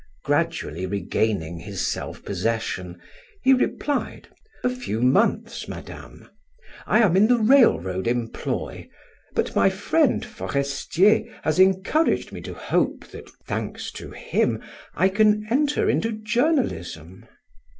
Gradually regaining his self possession, he replied: "a few months, Madame. I am in the railroad employ, but my friend Forestier has encouraged me to hope that, thanks to him, I can enter into journalism."